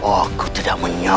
aku tidak menyayangi